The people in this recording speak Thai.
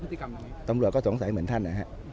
พฤติกรรมอย่างนี้ตำรวจก็สงสัยเหมือนท่านนะฮะนะฮะ